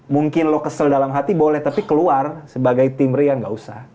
mungkin lo kesel dalam hati boleh tapi keluar sebagai tim rian gak usah